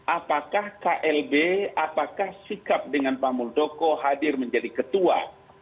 apakah klb apakah sikap dengan pak muldoko hadir menjadi ketua